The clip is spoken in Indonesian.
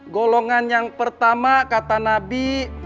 golongan yang pertama kata nabi